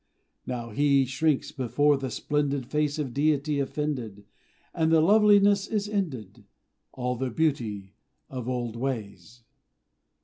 Now he shrinks before the splendid Face of Deity offended, All the loveliness is ended! All the beauty of old ways!